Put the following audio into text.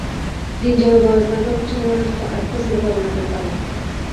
দিন যাবে, বয়স বাড়বে, এমন ছেলেমানুষি আর তো ফিরে পাবে না কোনোকালে।